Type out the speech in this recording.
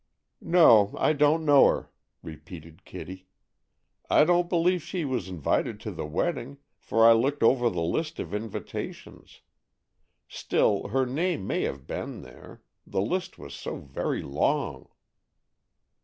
"No, I don't know her," repeated Kitty. "I don't believe she was invited to the wedding, for I looked over the list of invitations. Still, her name may have been there. The list was so very long."